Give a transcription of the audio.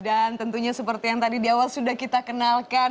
dan tentunya seperti yang tadi di awal sudah kita kenalkan